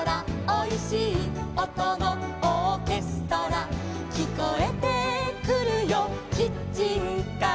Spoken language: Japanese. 「おいしいおとのオーケストラ」「きこえてくるよキッチンから」